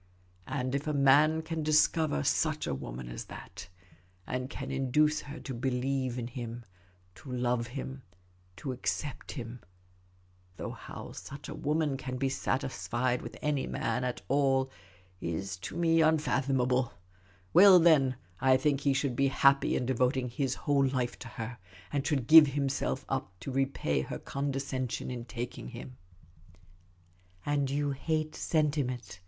And if a man can discover such a w^oman as that, and can induce her to be lieve in him, to love him, to accept him — though how such a woman can be satisfied with any man at all is to me unfathomable — well, then, I think he should be happy in devoting his whole life to her, and should give himself up to repay her condescension in taking him." " And j'ou hate sentiment